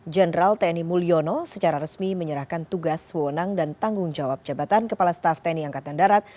jenderal tni mulyono secara resmi menyerahkan tugas wonang dan tanggung jawab jabatan kepala staff tni angkatan darat